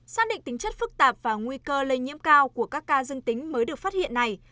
xác định tính chất phức tạp và nguy cơ lây nhiễm cao của các ca dương tính mới được phát hiện này